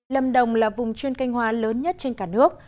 lâm đồng là vùng chuyên canh hoa lớn nhất trên cả nước